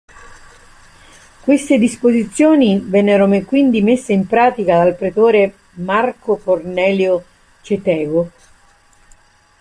Queste disposizioni vennero quindi messe in pratica dal pretore, Marco Cornelio Cetego.